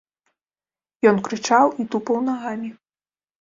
Ён крычаў і тупаў нагамі.